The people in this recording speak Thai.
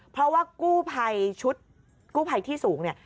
เพราะว่ากู้ภัยชุดกู้ภัยที่สูงเนี่ย